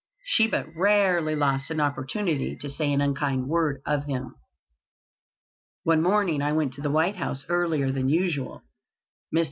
She but rarely lost an opportunity to say an unkind word of him. One morning I went to the White House earlier than usual. Mr.